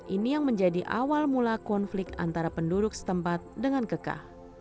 ini yang menjadi awal mula konflik antara penduduk setempat dengan keka